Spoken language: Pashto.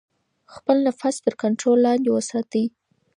خپل نفس تر کنټرول لاندې وساتئ.